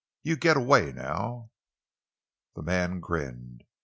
You git away now!" The man grinned.